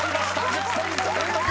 １０ポイント獲得］